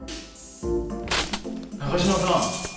中島さん